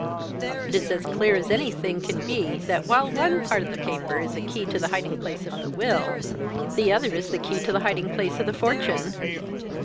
It is as clear as anything can be that, while one part of the paper is a key to the hiding place of the will, the other is the key to the hiding place of the fortune."